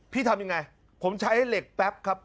ทำยังไงผมใช้เหล็กแป๊บครับ